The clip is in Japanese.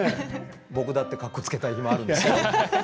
僕だってかっこつけたい日もあるんですよ。